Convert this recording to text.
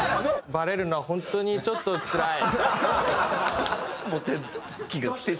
バレるのはホントにちょっとつらい。